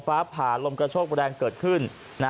ฟ้าผ่าลมกระโชคแรงเกิดขึ้น